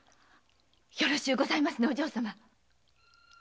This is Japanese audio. よろしゅうございますねお嬢様！